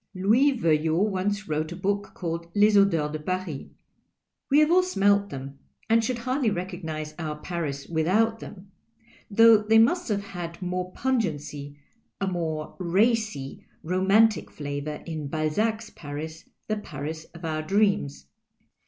Louis Veuillot once >vrote a book called " Les Odours do Paris." We have all smelt them, and should hardly recognize our Paris without them — though they must have had more pungency, a more racy, romantic flavour in Ualzac's Paris, the Paris of our dreams.